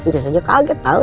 gak saja kaget tau